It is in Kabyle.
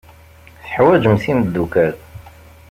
Teḥwajemt imeddukal.